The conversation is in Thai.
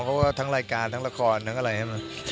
น้องเขาก็ทั้งรายการทั้งละครทั้งอะไรอย่างนี้